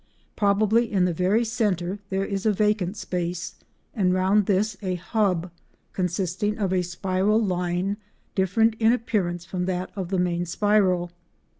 Probably in the very centre there is a vacant space and round this a hub, consisting of a spiral line different in appearance from that of the main spiral.